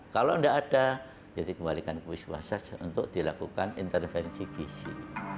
kalau tidak ada jadi kembalikan ke biswasa untuk dilakukan intervensi gisi